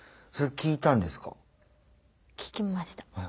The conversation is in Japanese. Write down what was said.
聞きました。